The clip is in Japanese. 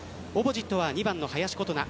オポジットは２番の林琴奈